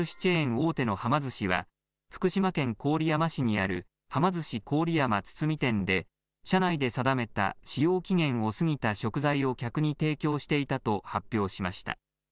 大手のはま寿司は、福島県郡山市にあるはま寿司郡山堤店で社内で定めた使用期限を過ぎた食材を客に提供していたと発表しました。